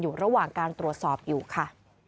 อยู่ระหว่างการตรวจสอบอยู่ค่ะ